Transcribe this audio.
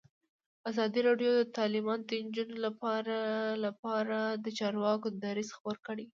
ازادي راډیو د تعلیمات د نجونو لپاره لپاره د چارواکو دریځ خپور کړی.